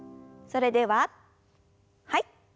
それでははい。